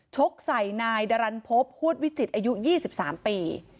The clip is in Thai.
กใส่นายดารันพบฮวดวิจิตอายุ๒๓ปี